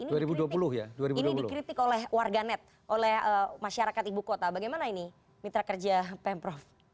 ini dikritik oleh warganet oleh masyarakat ibu kota bagaimana ini mitra kerja pemprov